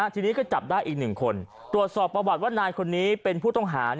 ทีนี้ก็จับได้อีก๑คนตรวจสอบประวัติว่านายคนนี้เป็นผู้ต้องหา